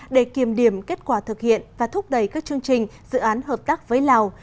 để kiềm điểm kết quả thực hiện và thúc đẩy các chương trình dự án hợp tác với lào